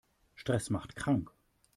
Stress macht krank.